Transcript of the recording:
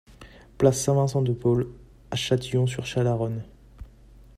Place Saint-Vincent de Paul à Châtillon-sur-Chalaronne